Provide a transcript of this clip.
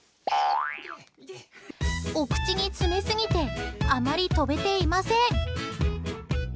お口に詰めすぎてあまり飛べていません。